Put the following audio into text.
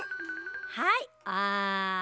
はいあん。